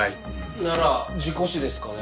なら事故死ですかね？